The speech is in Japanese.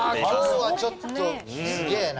今日はちょっとすげえな。